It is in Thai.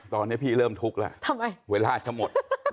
ตอนนี้พี่เริ่มทุกข์แล้วทำไมเวลาจะหมด